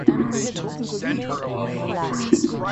Masks of deceased persons are part of traditions in many countries.